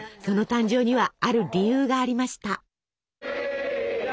その誕生にはある理由がありました。